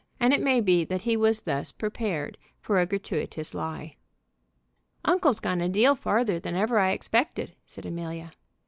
And it may be that he was thus prepared for a gratuitous lie. "Uncle's gone a deal farther than ever I expected," said Amelia.